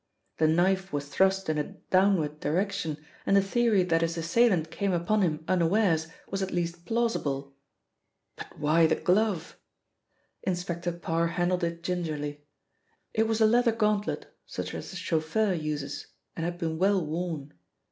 The knife was thrust in a downward direction, and the theory that his assailant came upon him unawares was at least plausible. But why the glove? Inspector Parr handled it gingerly. It was a leather gauntlet, such as a chauffeur uses, and had been well worn.